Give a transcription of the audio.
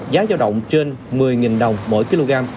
giá giao động trên một mươi đồng mỗi kg